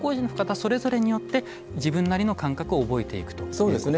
それぞれによって自分なりの感覚を覚えていくということでしょうか。